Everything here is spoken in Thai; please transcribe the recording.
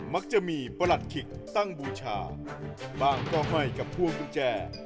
มักจะมีประหลัดขิกตั้งบูชาบ้างก็ให้กับพวงกุญแจ